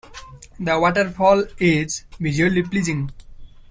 The waterfall is visually pleasing.